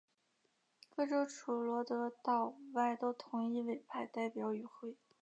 各州除罗德岛外都同意委派代表与会。